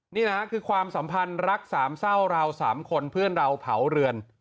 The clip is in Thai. นี่นะฮะคือความสัมพันธ์รักสามเศร้าเราสามคนเพื่อนเราเผาเรือน